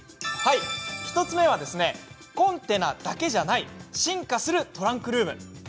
１つ目はコンテナだけじゃない進化するトランクルーム。